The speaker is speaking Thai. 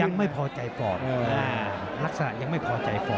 ยังไม่พอใจฟอร์คทะหนักศร้ายังไม่พอใจฟอร์ค